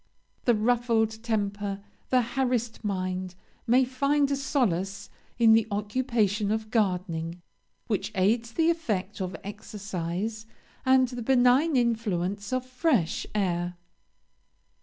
The ruffled temper, the harassed mind, may find a solace in the occupation of gardening, which aids the effect of exercise and the benign influence of fresh air.